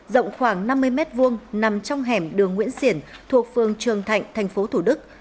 rộng khoảng năm mươi m hai nằm trong hẻm đường nguyễn xiển thuộc phường trường thạnh thành phố thủ đức